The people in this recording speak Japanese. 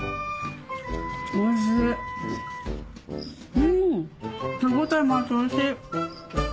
うん歯応えもあっておいしい。